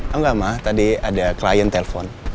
enggak ma tadi ada klien telpon